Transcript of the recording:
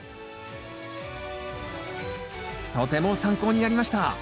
とても参考になりました。